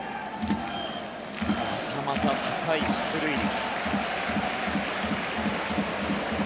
またまた高い出塁率。